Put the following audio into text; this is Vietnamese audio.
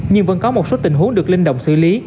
nhưng vẫn có một số tình huống được linh động xử lý